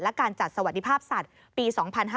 และการจัดสวัสดิภาพสัตว์ปี๒๕๕๙